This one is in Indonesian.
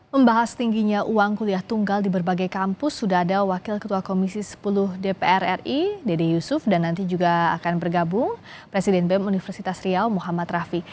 membahas tingginya uang kuliah tunggal di berbagai kampus sudah ada wakil ketua komisi sepuluh dpr ri dede yusuf dan nanti juga akan bergabung presiden bem universitas riau muhammad rafi